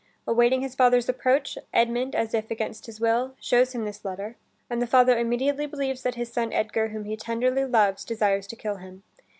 Awaiting his father's approach, Edmund, as if against his will, shows him this letter, and the father immediately believes that his son Edgar, whom he tenderly loves, desires to kill him.